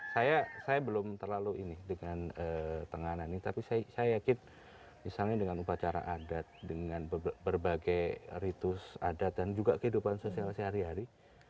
saya belum terlalu ini dengan tenganan ini tapi saya yakin misalnya dengan upacara adat dengan berbagai ritus adat dan juga kehidupan sosial sehari hari